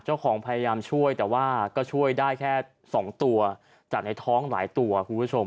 พยายามช่วยแต่ว่าก็ช่วยได้แค่๒ตัวจากในท้องหลายตัวคุณผู้ชม